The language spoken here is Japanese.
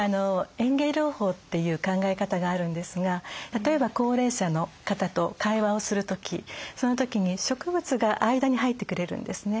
園芸療法という考え方があるんですが例えば高齢者の方と会話をする時その時に植物が間に入ってくれるんですね。